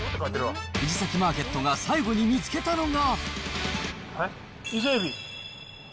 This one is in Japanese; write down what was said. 藤崎マーケットが最後に見つけたのが。